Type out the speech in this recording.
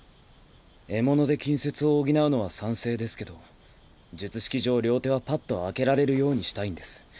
得物で近接を補うのは賛成ですけど術式上両手はパッと空けられるようにしたいんです。